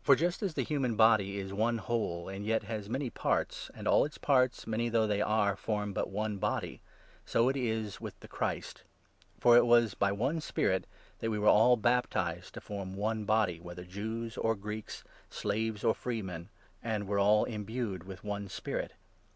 For just as the human body is one whole, and yet has many 12 parts, and all its parts, many though they are, form but one body, so it is with the Christ ; for it was by one Spirit that we 13 were all baptized to form one Body, whether Jews or Greeks, slaves or free men, and were all imbued with one Spirit.